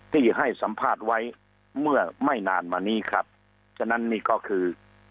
ที่ให้สัมภาษณ์ไว้เมื่อไม่นานมานี้ครับฉะนั้นนี่ก็คือ